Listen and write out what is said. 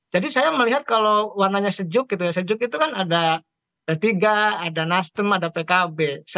jadi saya melihat kalau warnanya sejuk gitu ya sejuk itu kan ada p tiga ada nasdem ada pkb